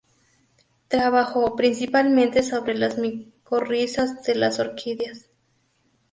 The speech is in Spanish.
Trabajó principalmente sobre las micorrizas de las orquídeas.